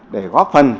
để góp phần